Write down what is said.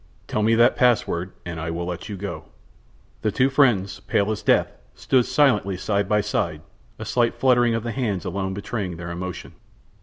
Tell me that password and I will let you go." The two friends, pale as death, stood silently side by side, a slight fluttering of the hands alone betraying their emotion.